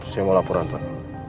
saya mau laporan pak